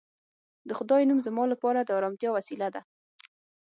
د خدای نوم زما لپاره د ارامتیا وسیله ده